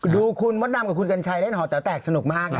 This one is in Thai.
ดูคุณมดดำกับคุณกัญชัยเล่นหอแต๋วแตกสนุกมากนะ